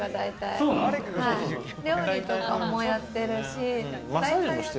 料理とかもやってるし。